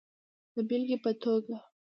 د بېلګې په توګه